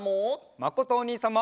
まことおにいさんも！